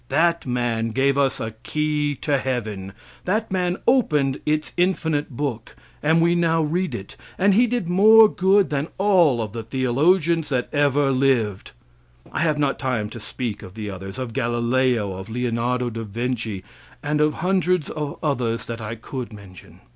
That man gave us a key to heaven. That man opened its infinite book, and we now read it, and he did more good than all the theologians that ever lived. I have not time to speak of the others of Galileo, of Leonardo da Vinci, and of hundreds of others that I could mention.